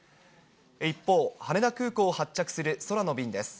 一方、羽田空港を発着する空の便です。